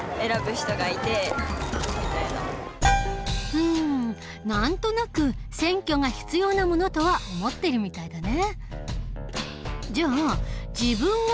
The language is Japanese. うん何となく選挙が必要なものとは思っているみたいだね。